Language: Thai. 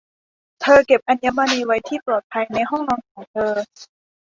เธอเก็บอัญมณีไว้ที่ปลอดภัยในห้องนอนของเธอ